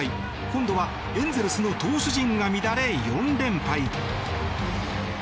今度はエンゼルスの投手陣が乱れ４連敗。